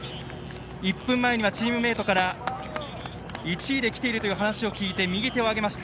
１分前にはチームメートから１位できているという話を聞いて、右手を上げました。